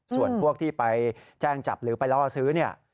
ส่วนพวกที่ไปแจ้งจับหรือไปล่อซื้อเนี่ย